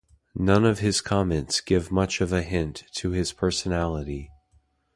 None of his comments give much of a hint to his personality.